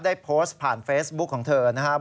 ได้โพสต์ผ่านเฟซบุ๊คของเธอนะครับ